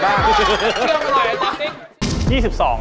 เชื่อมันบอกจริง